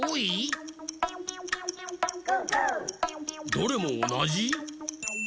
どれもおなじ？